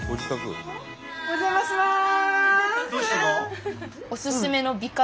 お邪魔します！